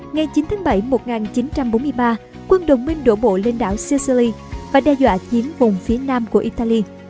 ngày chín tháng bảy một nghìn chín trăm bốn mươi ba quân đồng minh đổ bộ lên đảo sissi và đe dọa chiếm vùng phía nam của italy